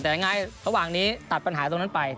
แต่ยังไงระหว่างนี้ตัดปัญหาตรงนั้นไป